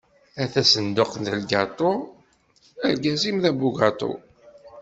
A tasenduqt n lgaṭu, argaz-im d abugaṭu.